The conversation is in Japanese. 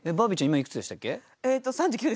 今いくつでしたっけ？